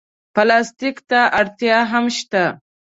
پلاستيک ته اړتیا هم شته.